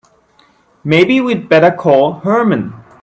Maybe we'd better call Herman.